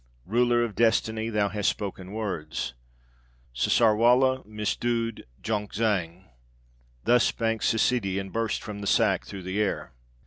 "Ruler of Destiny, thou hast spoken words! Ssarwala missdood jonkzang." Thus spake Ssidi, and burst from the sack through the air.